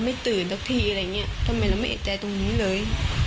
ไม่ตื่นสักทีอะไรอย่างเงี้ยทำไมเราไม่เอกใจตรงนี้เลย